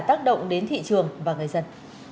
tác động đến thị trường và người dân